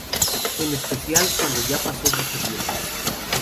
En especial cuando ya pasó mucho tiempo.